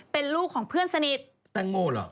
เป็นลูกของเพื่อนสนิทแตงโมเหรอ